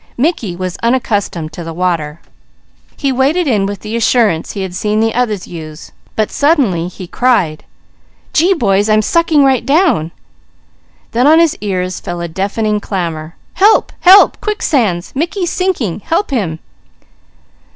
Mickey was unaccustomed to the water. He waded in with the assurance he had seen the others use, but suddenly he cried: "Gee boys, I'm sucking right down!" Then on his ears fell a deafening clamour. "Help! Help! Quicksands! Mickey's sinking! Help him!"